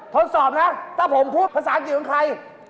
ทดสอบนะถ้าผมพูดภาษาอังกฤษของใคร